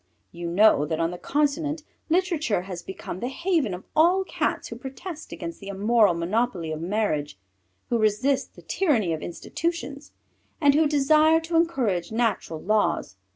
You know that on the continent literature has become the haven of all Cats who protest against the immoral monopoly of marriage, who resist the tyranny of institutions, and who desire to encourage natural laws.